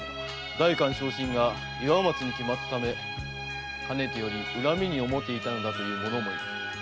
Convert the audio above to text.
代官昇進が岩松に決まったためかねてより恨みに思っていたのだと言う者もいる。